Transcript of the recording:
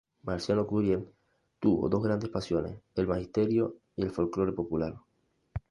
Marciano Curiel tuvo dos grandes pasiones: el magisterio y el folclore popular.